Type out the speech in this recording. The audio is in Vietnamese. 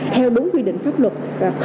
theo đúng quy định pháp luật